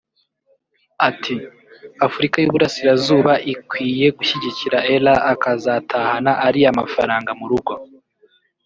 Ati “Afurika y’Uburasirazuba ikwiye gushyigikira Ellah akazatahana ariya mafaranga mu rugo